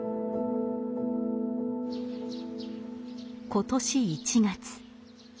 今年１月。